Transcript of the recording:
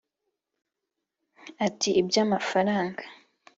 Ati “Iby’amafaranga